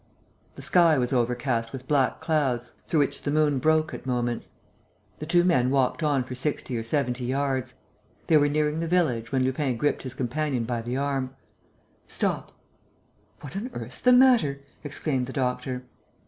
The sky was overcast with black clouds, through which the moon broke at moments. The two men walked on for sixty or seventy yards. They were nearing the village, when Lupin gripped his companion by the arm: "Stop!" "What on earth's the matter?" exclaimed the doctor.